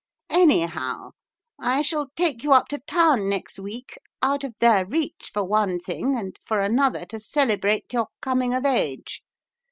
Anyhow, I shall take you up to town next week out of their reach, for one thing, and for another to celebrate your coming of age.